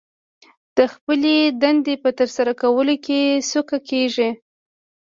د خپلې دندې په ترسره کولو کې سوکه کېږي